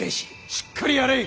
しっかりやれい！